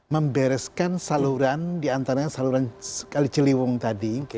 membereskan saluran di antaranya saluran sekali celiwung tadi